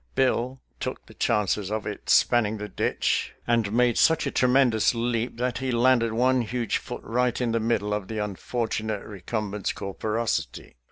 Bill took the chances of its spanning the ditch, and made such a tremendous leap that he landed one huge foot right in the middle of the unfortunate re cumbent's corporosity.